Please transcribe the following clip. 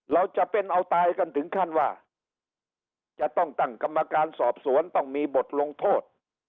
เราจะเป็นเอาตายกันถึงขั้นว่าจะต้องตั้งกรรมการสอบสวนต้องมีบทลงโทษ